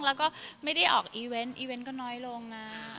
แล้วก็ไม่ได้ออกอีเวนต์อีเวนต์ก็น้อยลงนะ